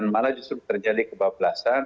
malah justru terjadi kebablasan